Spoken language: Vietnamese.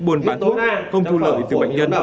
buôn bán thuốc không thu lợi từ bệnh nhân